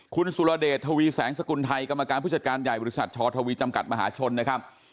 คุณสุรเดชทวีแสงสกุลไทยกรรมการผู้จัดการใหญ่บริษัทชอทวีจำกัดมหาชนนะครับ